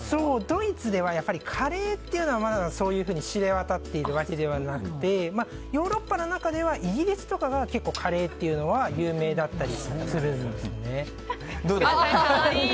ドイツではカレーというのは知れ渡っているわけではなくてヨーロッパの中ではイギリスとかがカレーというのは有名だったりするんですね。